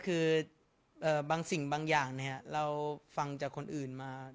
คือบางสิ่งบางอย่างเราฟังจากคนอื่นมา